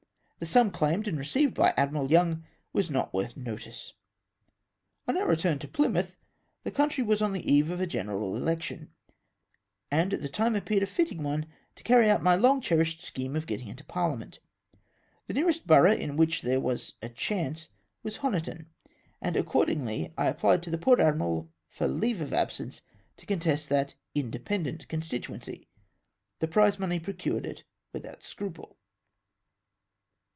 The sum claimed and received by Admkal Young was not worth notice. On our return to Plymouth the country was on the eve of a general election, and the time appeared a fitting one to carry out my long cherished scheme of getting into Parhament. The ■ nearest borough in which there was a chance was Honiton, and accord ingly I apphed to the port admiral for leave of absence to contest that " independent " constituency. The prize money procured it without scruple.